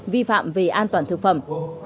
vi phạm về an toàn thực phẩm